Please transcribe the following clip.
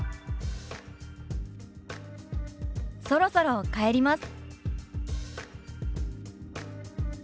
「そろそろ帰ります」。